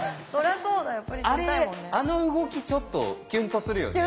あれあの動きちょっとキュンとするよね。